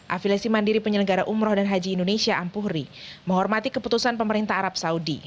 afilesi mandiri penyelenggara umroh dan haji indonesia ampuhri menghormati keputusan pemerintah arab saudi